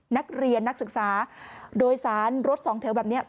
นักศึกษาโดยสารรถสองแถวแบบนี้